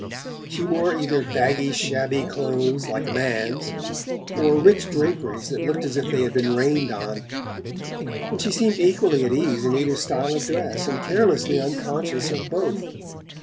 She wore either baggy shabby clothes like a man's, or rich draperies that looked as if they had been rained on; and she seemed equally at ease in either style of dress, and carelessly unconscious of both.